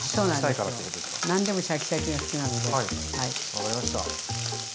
分かりました。